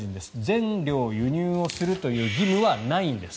全量輸入をするという義務はないんです。